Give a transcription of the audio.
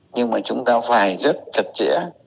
nhưng mà chúng ta phải rất chặt chẽ